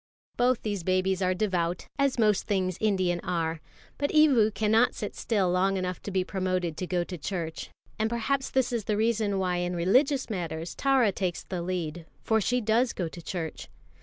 Both these babies are devout, as most things Indian are. But Evu cannot sit still long enough to be promoted to go to church; and perhaps this is the reason why in religious matters Tara takes the lead, for she does go to church.